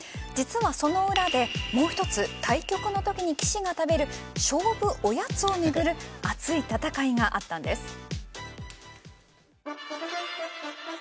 実はその裏でもう一つ対局のときに棋士が食べる勝負おやつを巡る熱い戦いがあったんです。